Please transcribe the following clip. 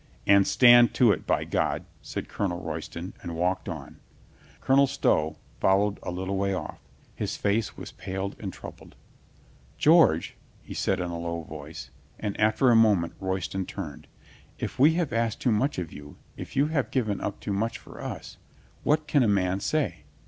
"And stand to it, by God," said Colonel Royston, and walked on. Colonel Stow followed a little way off. His face was paled and troubled. ... "George," he said in a low voice, and after a moment Royston turned, "if we have asked too much of you, if you have given up too much for us — what can a man say?